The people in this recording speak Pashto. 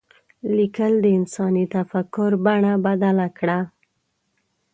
لیکل د انساني تفکر بڼه بدله کړه.